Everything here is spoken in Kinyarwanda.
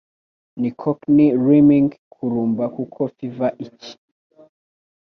ni cockney rhyming Kurumba kuko fiver iki